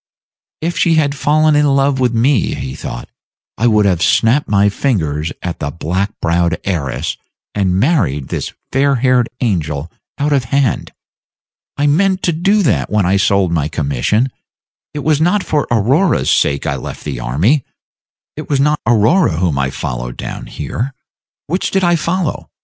"If she had fallen in love with me," he thought, "I would have snapped my fingers at the black browed heiress, and married this fair haired angel out of hand. I meant to do that when I sold my commission. It was not for Aurora's sake I left the army, it was not Aurora whom I followed down here. Which did I follow?